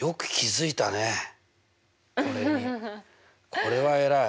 これは偉い。